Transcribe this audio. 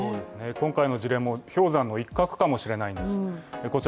今回の事例も氷山の一角かもしれないんです。